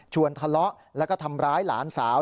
ทะเลาะแล้วก็ทำร้ายหลานสาว